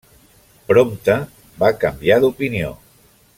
Prompte va canviar d'opinió.